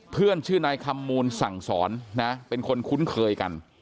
ชื่อนายคำมูลสั่งสอนนะเป็นคนคุ้นเคยกัน